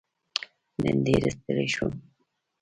نن ډېر ستړی شوم